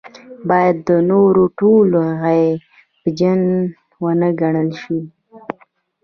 باید د نورو ټول عیبجن ونه ګڼل شي.